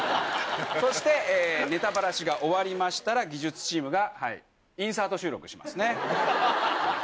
そしてネタばらしが終わりましたら技術チームがインサート収録しますね。